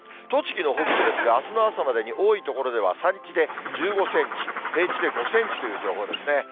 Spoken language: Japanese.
栃木の北部ですが、あすの朝までに多い所では、山地で１５センチ、平地で５センチという情報ですね。